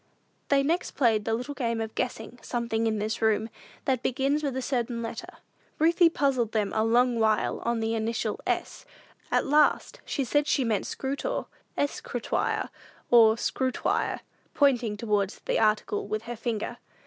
They next played the little game of guessing "something in this room," that begins with a certain letter. Ruthie puzzled them a long while on the initial S. At last she said she meant "scrutau" (escritoire or scrutoire), pointing towards the article with her finger.